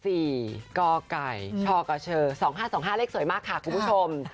ที่ออกเนี่ยค่ะ๔กก๒๕๒๕เลขสวยมากค่ะคุณผู้ชม